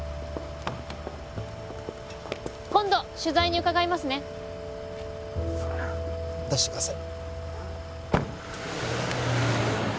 今度取材に伺いますね出してください